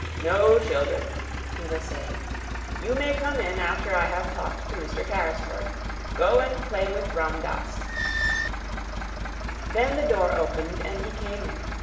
"No, children," he was saying; "you may come in after I have talked to Mr. Carrisford. Go and play with Ram Dass." Then the door opened and he came in.